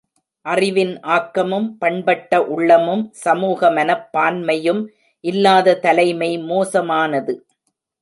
அறிவின் ஆக்கமும் பண்பட்ட உள்ளமும் சமூக மனப்பான்மையும் இல்லாத தலைமை மோசமானது.